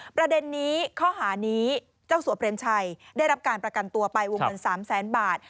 ประเด็นนี้ข้อหานี้เจ้าสัวเปรมชัยได้รับการประกันตัวไปวงเงิน๓แสนบาท